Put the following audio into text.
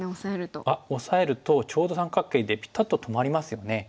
あっオサえるとちょうど三角形でピタッと止まりますよね。